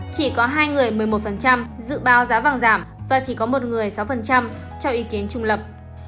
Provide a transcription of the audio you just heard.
chỉ có hai người một mươi một dự báo giá vàng giảm và chỉ có một người sáu cho ý kiến trung lập